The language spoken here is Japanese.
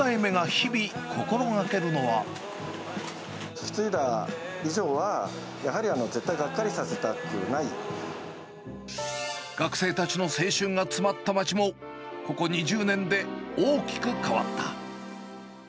引き継いだ以上は、やはり、学生たちの青春が詰まった街も、ここ２０年で大きく変わった。